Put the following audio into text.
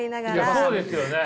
そうですよね！